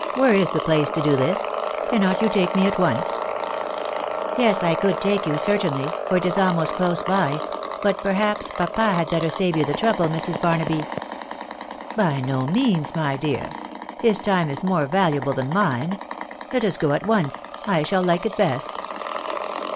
Where is the. place to. do this ? Cannot you take me at once ?"" Yes, I could take you, certainly, for it is aim oat close by ; but perhaps papa had better save you. the. trouble,* Mbs*< Barnaby ?"" By no means, my dear. His time is more valuable than mine. Let us go at once : I shall like it best."